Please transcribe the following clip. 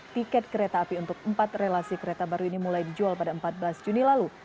tiket kereta api untuk empat relasi kereta baru ini mulai dijual pada empat belas juni lalu